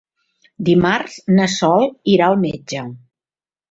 Dimarts na Sol irà al metge.